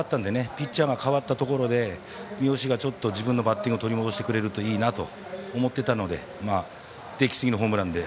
ピッチャーが代わったところで三好が自分のバッティングを取り戻してくれるといいなと思っていたのでできすぎのホームランで。